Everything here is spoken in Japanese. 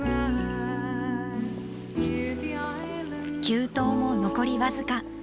急登も残り僅か。